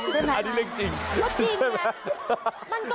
ใช่ไหมอันนี้เรียกจริงรู้จริงไหม